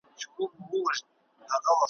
تا خو د زمان د سمندر څپو ته واچول `